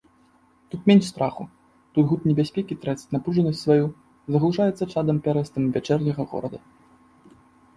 Тут менш страху, тут гуд небяспекі траціць напружанасць сваю, заглушаецца чадам пярэстым вячэрняга горада.